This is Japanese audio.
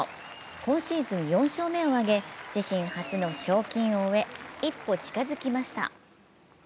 今シーズン４勝目を挙げ、自身初の賞金王へ一歩近づきました。